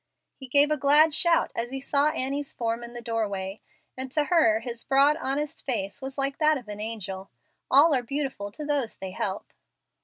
He gave a glad shout as he saw Annie's form in the doorway, and to her his broad, honest face was like that of an angel. All are beautiful to those they help.